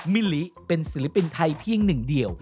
มิลลิเป็นศิลปินไทยเพียงหนึ่งเดียว